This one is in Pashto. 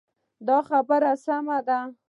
دا خبره سمه ده.